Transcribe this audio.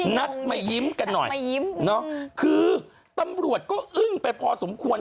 นัดมายิ้มกันหน่อยมายิ้มเนาะคือตำรวจก็อึ้งไปพอสมควร